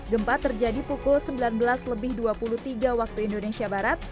gempa terjadi pukul sembilan belas lebih dua puluh tiga waktu indonesia barat